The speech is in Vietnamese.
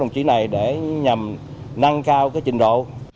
đồng chí này nhằm nâng cao cái trình độ